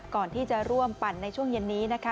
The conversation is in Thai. ก่อนที่จะร่วมปั่นในช่วงเย็นนี้นะคะ